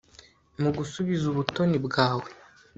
Mu gusubiza ubutoni bwawe